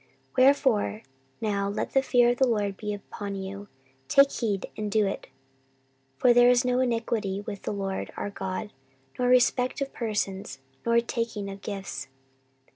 14:019:007 Wherefore now let the fear of the LORD be upon you; take heed and do it: for there is no iniquity with the LORD our God, nor respect of persons, nor taking of gifts.